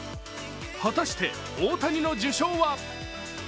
果たして、大谷の受賞は？